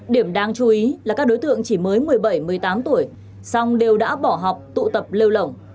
điểm đáng chú ý là các đối tượng chỉ mới một mươi bảy một mươi tám tuổi xong đều đã bỏ học tụ tập lêu lỏng